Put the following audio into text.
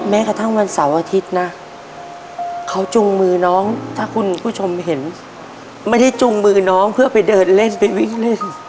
แม้กระทั่งวันเสาร์อาทิตย์นะเขาจุงมือน้องถ้าคุณผู้ชมเห็นไม่ได้จุงมือน้องเพื่อไปเดินเล่นไปวิ่งเล่น